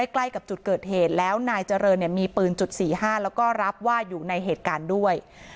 ใกล้กับจุดเกิดเหตุแล้วนายเจริญมีปืนจุด๔๕แล้วก็รับว่าอยู่ในเหตุการณ์ด้วย